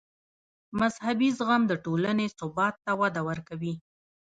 مذهبي زغم د ټولنې ثبات ته وده ورکوي.